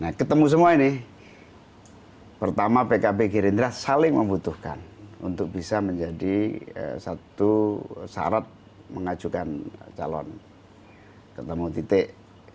nah ketemu semua ini pertama pkb gerindra saling membutuhkan untuk bisa menjadi satu syarat mengajukan calon ketemu titik